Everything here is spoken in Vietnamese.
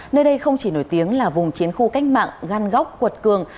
nơi đây không chỉ nổi tiếng là vùng chiến khu cách mạng gan góc quật cường